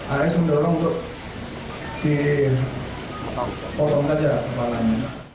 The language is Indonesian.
as mendorong untuk dipotong saja kepala ini